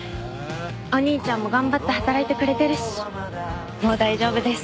お兄ちゃんも頑張って働いてくれてるしもう大丈夫です。